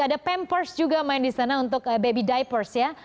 ada pampers juga main di sana untuk baby diapers ya